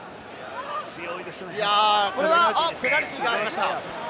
これはペナルティーがありました。